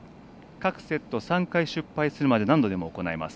各セット３回失敗するまで何度でも行えます。